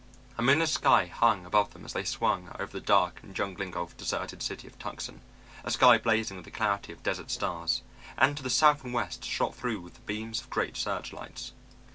A moonless sky hung above them as they swung over the dark and jungle engulfed deserted city of Tucson, a sky blazing with the clarity of desert stars, and to the south and west shot through with the beams of great searchlights.